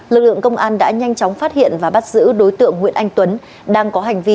lực lượng công an đã nhanh chóng phát hiện và bắt giữ đối tượng nguyễn anh tuấn